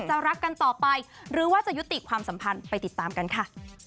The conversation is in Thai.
รักกันต่อไปหรือว่าจะยุติความสัมพันธ์ไปติดตามกันค่ะ